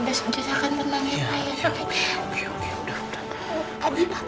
jess jess akan tenang ya pak